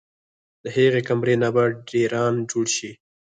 د هغې کمرې نه به ډېران جوړ شي